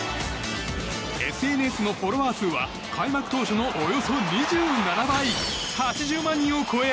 ＳＮＳのフォロワー数は開幕当初のおよそ２７倍、８０万人を超え